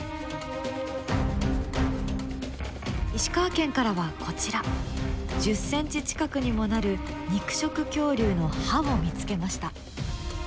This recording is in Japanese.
石川県からはこちら１０ｃｍ近くにもなる肉食恐竜の歯を見つけました。